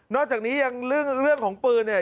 อกจากนี้ยังเรื่องของปืนเนี่ย